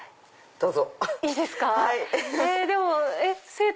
どうぞ。